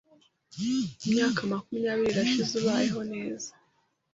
Imyaka makumyabiri irashize ubayeho neza,